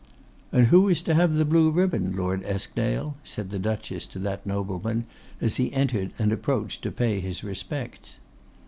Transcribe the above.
'And who is to have the blue ribbon, Lord Eskdale?' said the Duchess to that nobleman, as he entered and approached to pay his respects.